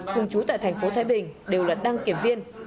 cùng chú tại thành phố thái bình đều là đăng kiểm viên